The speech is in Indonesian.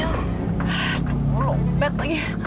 aduh lompat lagi